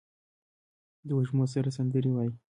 د وږمو سره سندرې وايي